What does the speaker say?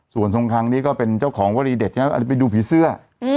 ส่วนทรงคังนี้ก็เป็นเจ้าของวรีเด็ดใช่ไหมไปดูผีเสื้อ